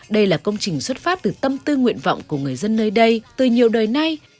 đây là công trình xuất phát từ tâm tư nguyện vọng của người dân nơi đây từ nhiều đời nay